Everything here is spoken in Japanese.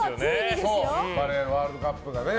バレーワールドカップがね。